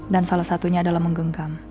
dan salah satunya adalah menggenggam